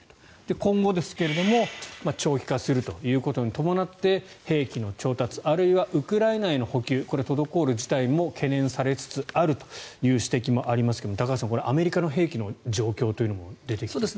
今後ですが長期化するということに伴って兵器の調達あるいはウクライナへの補給が滞る事態も懸念されつつあるという指摘もありますが高橋さん、アメリカの兵器の状況というのも出てきてますね。